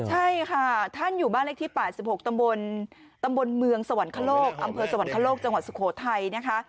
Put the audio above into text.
ใช่ค่ะท่านอยู่บ้านเลขที่๘๖ตำบลตำบลเมืองสวรรคโลกอำเภอสวรรคโลกจังหวัดสุโขทัยนะคะ